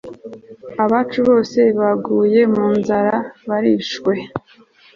abacu bose babaguye mu nzara, barishwe